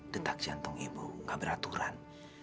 detak jantung ibu nggak beraturan